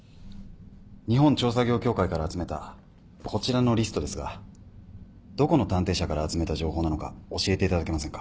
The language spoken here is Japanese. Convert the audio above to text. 日本調査業協会から集めたこちらのリストですがどこの探偵社から集めた情報なのか教えていただけませんか？